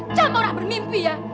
jangan berpikir pikir ya